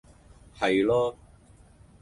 係囉